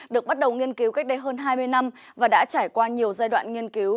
được bắt đầu nghiên cứu cách đây hơn hai mươi năm và đã trải qua nhiều giai đoạn nghiên cứu